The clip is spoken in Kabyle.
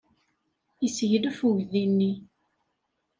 Yesseglef uydi-nni.